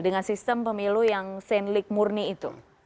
dengan sistem pemilu yang sandling murni itu